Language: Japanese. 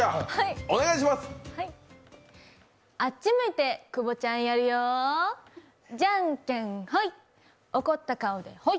あっち向いて久保ちゃんやるよォォ、じゃんけんホイ！